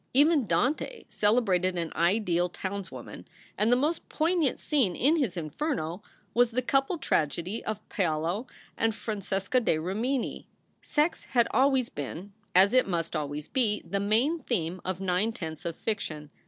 Even Dante celebrated an ideal townswoman, and the most poignant scene in his "Inferno" was the coupled tragedy of Paolo and Francesca da Rimini. Sex had always been, as it must always be, the main theme of nine tenths of fiction.